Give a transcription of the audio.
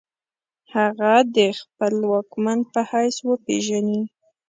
هغه د خپل واکمن په حیث وپیژني.